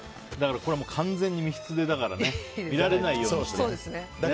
これは完全に密室で見られないようにして。